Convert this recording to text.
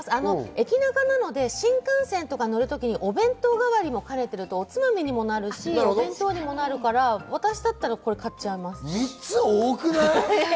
駅ナカなので新幹線とか乗る時にお弁当代わりになって、おつまみにもなるし、お弁当にもなるから私は買っちゃいます。